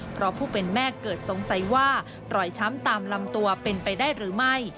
เพราะผู้เป็นแม่เกิดสงสัยว่ารอยช้ำตามลำตัวเป็นไปได้หรือไม่